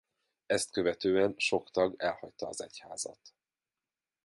Ezt követően sok tag elhagyta az egyházat.